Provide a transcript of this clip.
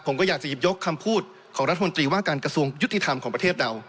ผมก็อยากจะหยิบยกคำพูดของรัฐมนตรีว่าการกระทรวงยุติธรรมของประเทศเรา